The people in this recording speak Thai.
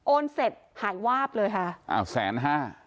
เสร็จหายวาบเลยค่ะอ้าวแสนห้า